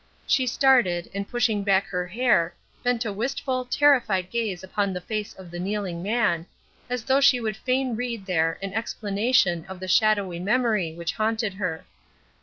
She started, and pushing back her hair, bent a wistful, terrified gaze upon the face of the kneeling man, as though she would fain read there an explanation of the shadowy memory which haunted her.